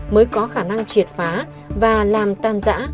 mới có khả năng triệt phá và làm tan giã